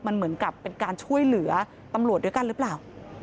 มันเหมือนกับเป็นการช่วยเหลือตำรวจด้วยกันหรือเปล่า